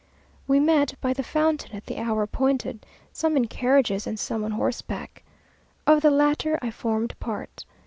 We met by the fountain at the hour appointed, some in carriages, and some on horseback. Of the latter I formed part.